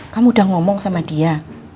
kamu udah ngomong sama dia